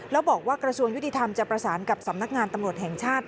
แล้วบอกว่ากระทรวงยุติธรรมจะประสานกับสำนักงานตำรวจแห่งชาติ